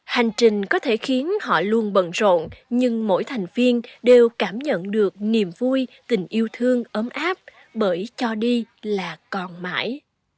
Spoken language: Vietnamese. hành trình có thể khiến họ luôn bận rộn nhưng mỗi thành viên đều cảm nhận được niềm vui tình yêu thương ấm áp bởi cho đi là còn mãi